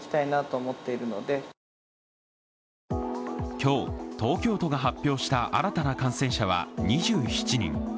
今日、東京都が発表した新たな感染者は２７人。